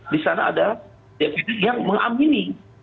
di sana ada dpd yang mengamini